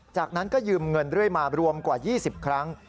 จากนั้นก็ยืมเงินเรื่อยมารวมกว่า๒๐ครั้ง